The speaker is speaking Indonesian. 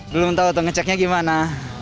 belum tahu atau ngeceknya gimana